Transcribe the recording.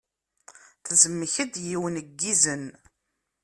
Tezmek-d yiwen n yizen.